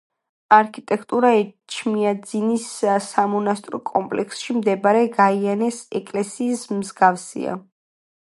არქიტექტურა ეჩმიაძინის სამონასტრო კომპლექსში მდებარე გაიანეს ეკლესიის მსგავსია.